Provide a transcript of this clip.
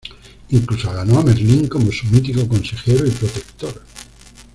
Incluso ganó a Merlín como su mítico consejero y protector.